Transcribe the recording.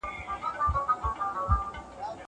په دې محل کي یوزمری وو اوس هغه نه ښکاري